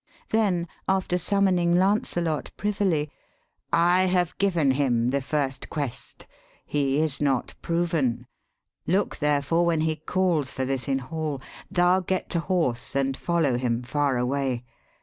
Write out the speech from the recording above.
Then, after summoning Lancelot privily, ' I have given him the first quest: he is not proven. Look therefore when he calls for this in hall, Thou get to horse and follow him far away.